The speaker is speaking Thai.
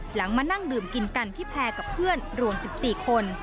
มานั่งดื่มกินกันที่แพร่กับเพื่อนรวม๑๔คน